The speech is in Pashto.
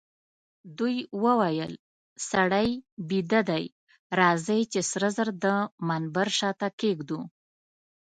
دوی وویل: سړی بیده دئ، راځئ چي سره زر د منبر شاته کښېږدو.